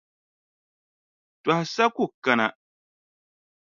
Tɔha sa ku kana.